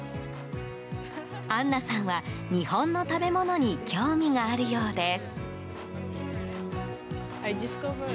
アンナさんは、日本の食べ物に興味があるようです。